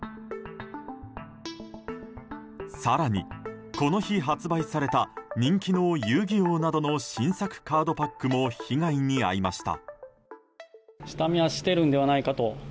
更に、この日発売された人気の「遊戯王」などの新作カードパックも被害に遭いました。